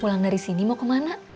pulang dari sini mau kemana